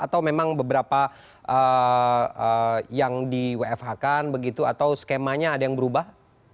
atau memang beberapa yang di wfh kan begitu atau skemanya ada yang berubah